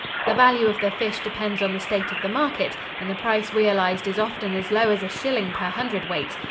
The value of the fish depends on the state of the market, and the price realized is often as low as a shilling per hundred weight.